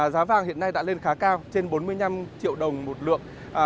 giá vàng hiện nay đã lên khá cao trên bốn mươi năm triệu đồng một lượng